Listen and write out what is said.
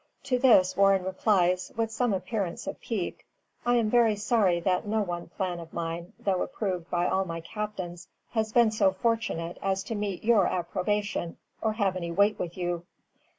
_] To this Warren replies, with some appearance of pique, "I am very sorry that no one plan of mine, though approved by all my captains, has been so fortunate as to meet your approbation or have any weight with you."